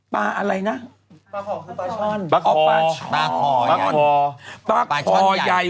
ปลาอะไรนะปลาช้อนปลาคอปลาคอปลาคอปลาคอใหญ่